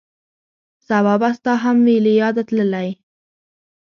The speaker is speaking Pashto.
سبا به ستا هم وي له یاده تللی